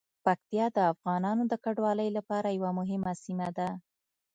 پکتیا د افغانانو د کډوالۍ لپاره یوه مهمه سیمه ده.